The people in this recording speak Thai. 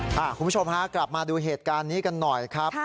คุณผู้ชมฮะกลับมาดูเหตุการณ์นี้กันหน่อยครับ